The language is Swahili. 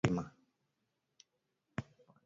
Na ba kujicha nabo bana pashwa ku rima